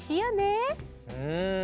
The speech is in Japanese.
うん。